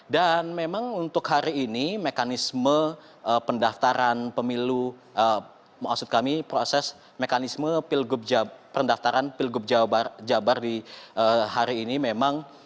dan memang untuk hari ini mekanisme pendaftaran pemilu maksud kami proses mekanisme pendaftaran pilgub jabar di hari ini memang